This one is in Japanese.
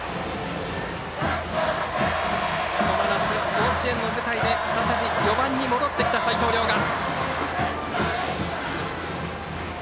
この夏、甲子園の舞台で再び４番に戻ってきた齋藤崚雅。